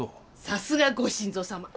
さすがご新造様。